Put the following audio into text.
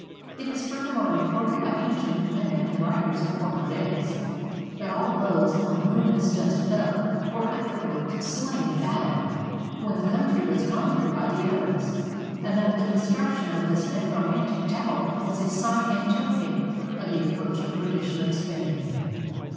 It is furthermore recorded by ancient men and writers of former days, 442 KING RODERICK AND THE MAGIC TOWER that all those on whom this dust feU were afterwards slain in battle, when the country was conquered by the Arabs, and that the destruction of this necromantic tower was a sign and token of the approaching perdi tion of Spain.